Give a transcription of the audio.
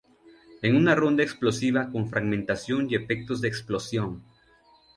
Es una ronda explosiva con fragmentación y efectos de explosión.